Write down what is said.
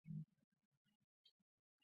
高速公路路线编号被编为。